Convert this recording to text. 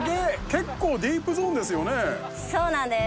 結構ディープゾーンですよねそうなんです